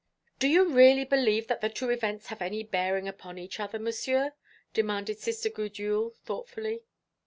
"Do you really believe that the two events have any bearing upon each other, Monsieur?" demanded Sister Gudule thoughtfully.